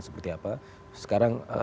seperti apa sekarang